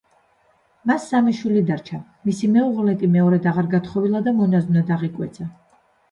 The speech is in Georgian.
მას სამი შვილი დარჩა, მისი მეუღლე კი მეორედ აღარ გათხოვილა და მონაზვნად აღიკვეცა.